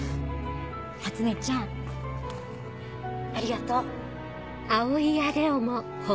初音ちゃんありがとう。